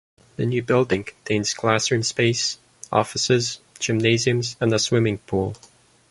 The new building contains classroom space, offices, gymnasiums and a swimming pool.